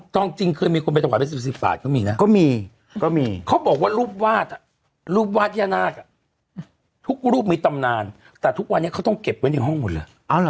ทุกรูปมีตำนานแต่ทุกวันนี้เขาอยู่ห้องหมดล่ะ